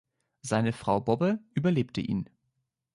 Seine Frau Bobbe überlebte ihn.